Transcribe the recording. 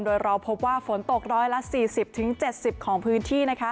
โดยรอบความผลปกฏศาสตร์ฟนตก๑๔๐๗๐ของพื้นที่